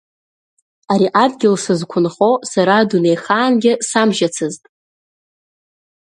Ари адгьыл сызқәынхо сара дунеихаангьы самжьацызт!